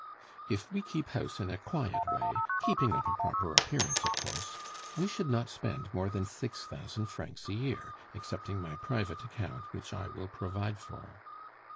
"If we keep house in a quiet way, keeping up a proper appearance of course, we should not spend more than six thousand francs a year, excepting my private account, which I will provide for."